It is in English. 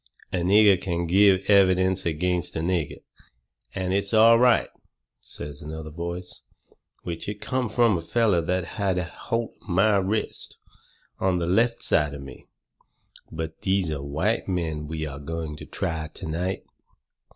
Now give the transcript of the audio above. "A nigger can give evidence against a nigger, and it's all right," says another voice which it come from a feller that had a holt of my wrist on the left hand side of me "but these are white men we are going to try to night.